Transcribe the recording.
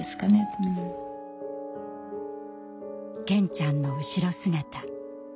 健ちゃんの後ろ姿。